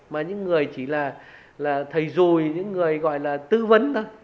mà những người chỉ là thầy dùi những người gọi là tư vấn thôi